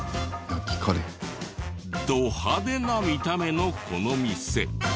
ド派手な見た目のこの店。